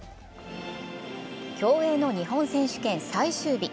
競泳の日本選手権最終日。